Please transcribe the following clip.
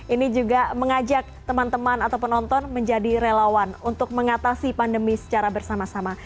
ini juga mengajak teman teman atau penonton menjadi relawan untuk mengatasi pandemi secara bersama sama